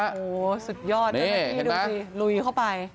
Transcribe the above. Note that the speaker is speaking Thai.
โอ้โฮสุดยอดนี่ดูสิลุยเข้าไป